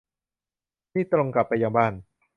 นี่ตรงกลับไปยังบ้าน